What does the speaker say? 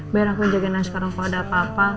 biar aku jagain sekarang kalau ada apa apa